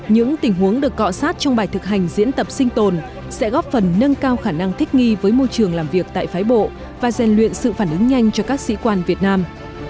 những tình huống được cọ sát trong bài thực hành diễn tập sinh tồn sẽ góp phần nâng cao khả năng thích nghi với môi trường làm việc tại phái bộ và dành luyện sự phản ứng nhanh cho các sĩ quan việt nam